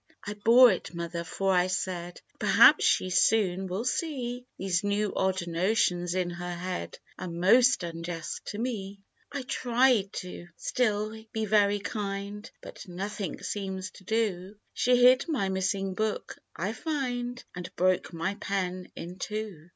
"I bore it, Mother, for I said, 'Perhaps she soon will see These new, odd notions in her head Are most nnjust to me !' "I tried to still he very kind, But nothing seems to do. She hid my missing book, I find, And broke my pen in two.